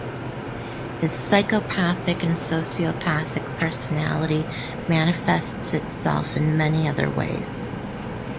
His psychopathic and sociopathic personality manifests itself in many other ways.